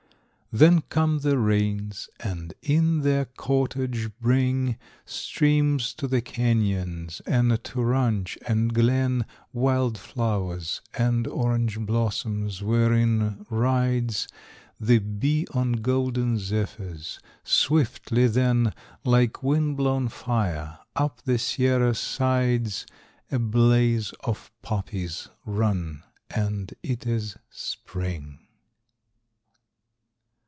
Then come the rains, and in their cortege bring Streams to the canyons, and to ranch and glen Wild flowers and orange blossoms, wherein rides The bee on golden zephyrs. Swiftly then, Like wind blown fire, up the Sierra sides A blaze of poppies runs, and it is Spring.